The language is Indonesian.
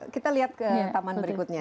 kita lihat ke taman berikutnya